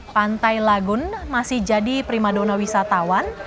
pantai lagun masih jadi primadona wisatawan